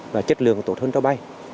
và chất lượng tốt hơn rất lớn